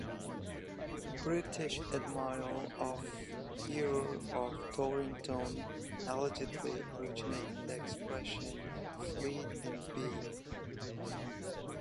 The British Admiral the Earl of Torrington allegedly originated the expression "fleet in being".